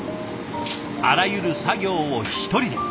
あらゆる作業を一人で。